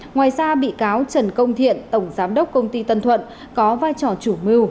ngoài ra bị cáo trần công thiện tổng giám đốc công ty tân thuận có vai trò chủ mưu